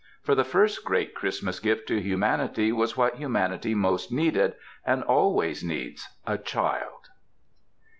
For the first great Christmas gift to humanity was what humanity most needed, and always needs — a child.